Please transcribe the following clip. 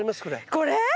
これ？